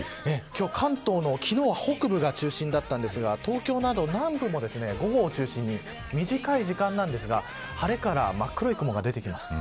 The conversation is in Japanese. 関東の昨日は北部が中心でしたが東京など南部も午後を中心に短い時間ですが晴れから真っ黒い雲が出てきます。